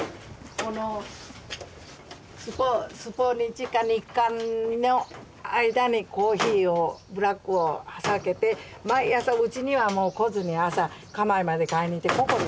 この「スポニチ」か「日刊」の間にコーヒーをブラックをはさけて毎朝うちにはもう来ずに朝蒲江まで買いに行ってここに。